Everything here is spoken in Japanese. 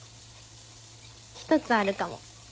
１つあるかも。